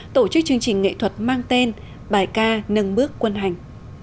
tổ chức chương trình nghệ thuật mang tên bài ca nâng bước quân hành